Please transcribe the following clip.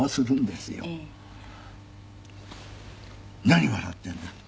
「何笑ってんだ」と。